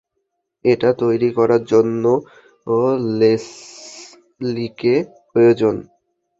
এটা তৈরী করার জন্য লেসলিকে প্রয়োজন।